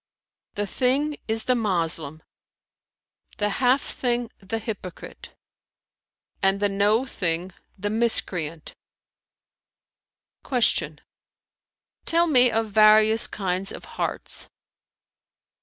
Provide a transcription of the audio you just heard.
"The thing is the Moslem; the half thing the hypocrite,[FN#340] and the no thing the miscreant." Q "Tell me of various kinds of hearts."